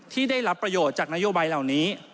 ที่ได้รับประโยชน์จากนโยบายเหล่านี้